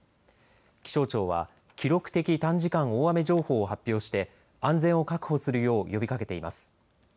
気象庁は記録的短時間大雨情報を発表して安全を確保するよう呼びかけています。